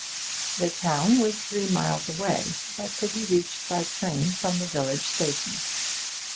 The town was three miles away, but could be reached by train from the village station.